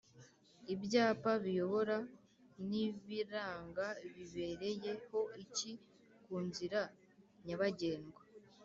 Ibyapa biyobora n’ibiranga bibereye ho iki kunzira nyabagendwa